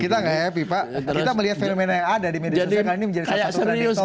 kita gak happy pak kita melihat fenomena yang ada di media sosial ini menjadi salah satu kredit topik